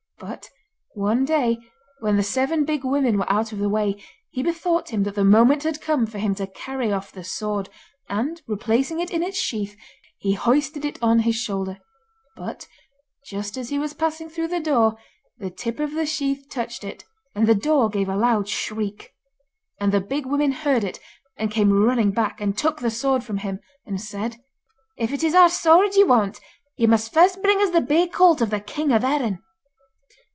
But one day, when the Seven Big Women were out of the way, he bethought him that the moment had come for him to carry off the sword, and, replacing it in its sheath, he hoisted it on his shoulder. But just as he was passing through the door the tip of the sheath touched it, and the door gave a loud shriek. And the Big Women heard it, and came running back, and took the sword from him, and said: 'If it is our sword you want, you must first bring us the bay colt of the King of Erin.